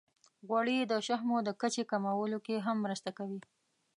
غوړې د شحمو د کچې کمولو کې هم مرسته کوي.